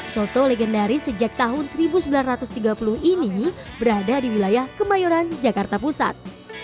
soto legendaris sejak tahun seribu sembilan ratus tiga puluh ini berada di wilayah kemayoran jakarta pusat